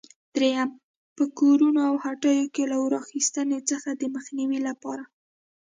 درېیم: په کورونو او هټیو کې له اور اخیستنې څخه د مخنیوي لپاره؟